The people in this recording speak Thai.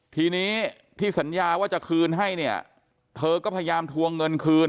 ทีนี้ที่สัญญาว่าจะคืนให้เนี่ยเธอก็พยายามทวงเงินคืน